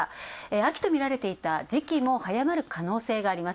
秋とみられていた時期も早まる可能性があります。